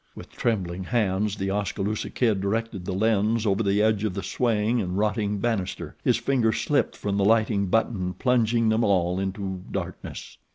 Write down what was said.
With trembling hands The Oskaloosa Kid directed the lens over the edge of the swaying and rotting bannister. His finger slipped from the lighting button plunging them all into darkness.